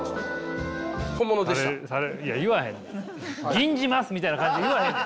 「吟じます」みたいな感じで言わへんって。